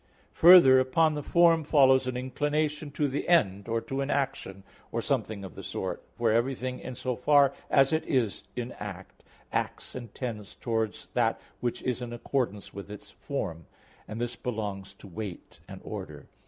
Further, upon the form follows an inclination to the end, or to an action, or something of the sort; for everything, in so far as it is in act, acts and tends towards that which is in accordance with its form; and this belongs to weight and order.